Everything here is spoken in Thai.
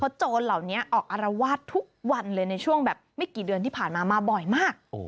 โจรเหล่านี้ออกอารวาสทุกวันเลยในช่วงแบบไม่กี่เดือนที่ผ่านมามาบ่อยมาก